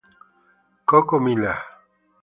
Coco Miller